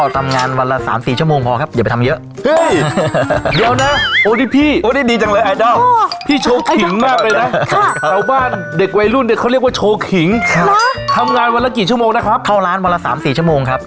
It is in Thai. ทำงานวันละกี่ชั่วโมงนะครับเข้าร้านวันละสามสี่ชั่วโมงครับ